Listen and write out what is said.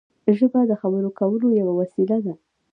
ژبه د خبرو کولو یوه وسیله ده.